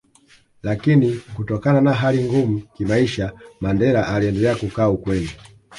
Lakini Kutokana na hali ngumu kimaisha Mandela aliendelea kukaa ukweni